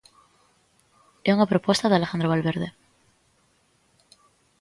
E unha proposta de Alejandro Valverde.